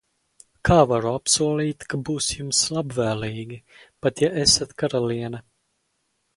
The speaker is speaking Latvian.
Kā varu apsolīt, ka būs jums labvēlīgi, pat ja esat karaliene?